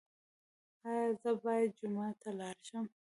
ایا زه باید جومات ته لاړ شم؟